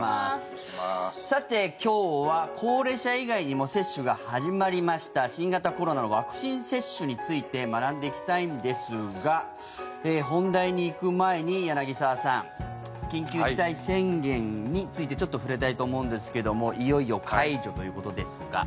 さて、今日は高齢者以外にも接種が始まりました新型コロナのワクチン接種について学んでいきたいんですが本題に行く前に、柳澤さん緊急事態宣言について、ちょっと触れたいと思うんですけどもいよいよ解除ということですが。